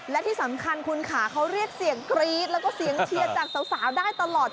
และที่สำคัญคุณค่ะเขาเรียกเสียงกรี๊ดแล้วก็เสียงเชียร์จากสาวได้ตลอด